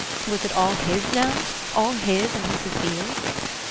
Was it all his now, all his and Mrs. Beale's?